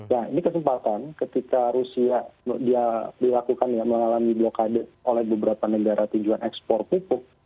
nah ini kesempatan ketika rusia dia dilakukan ya mengalami blokade oleh beberapa negara tujuan ekspor pupuk